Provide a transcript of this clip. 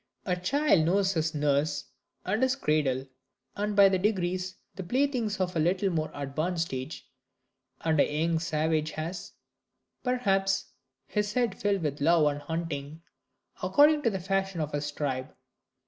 A child knows his nurse and his cradle, and by degrees the playthings of a little more advanced age; and a young savage has, perhaps, his head filled with love and hunting, according to the fashion of his tribe.